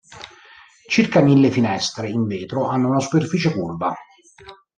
Circa mille finestre in vetro hanno una superficie curva.